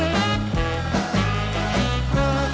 รับทราบ